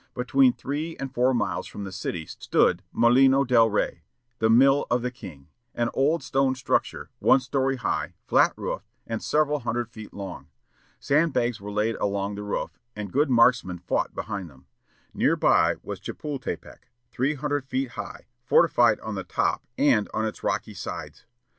Between three and four miles from the city stood Molino del Rey, the "mill of the King," an old stone structure, one story high, flat roofed, and several hundred feet long. Sandbags were laid along the roof, and good marksmen fought behind them. Near by was Chepultepec, three hundred feet high, fortified on the top and on its rocky sides.